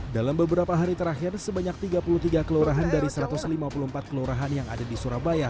dalam beberapa hari terakhir sebanyak tiga puluh tiga kelurahan dari satu ratus lima puluh empat kelurahan yang ada di surabaya